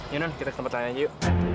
yunan kita ke tempat lain aja yuk